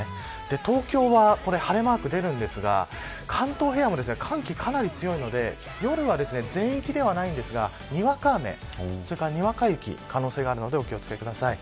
東京は晴れマークが出ますが関東平野も寒気かなり強いので夜は全域ではありませんがにわか雨それから、にわか雪の可能性があるので気を付けてください。